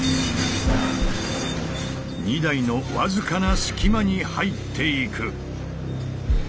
２台の僅かな隙間に入っていく。